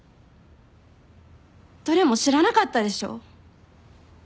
どれも知らなかったでしょ？